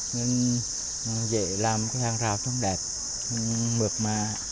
nên dễ làm cái hăng rào trống đẹp mượt mà